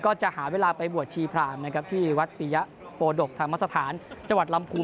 ก็จะหาเวลาไปบวชชีพรามที่วัดปิยะโปโดกธรรมสถานจวัตรลำพูม